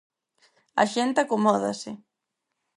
A xente acomódase.